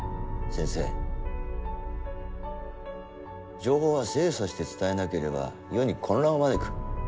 情報は精査して伝えなければ世に混乱を招く。